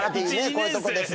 こういうとこですが。